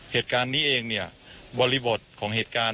เหตุการณ์นี้เองเนี่ยบริบทของเหตุการณ์